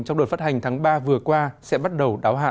trong đợt phát hành tháng ba vừa qua sẽ bắt đầu đáo hạn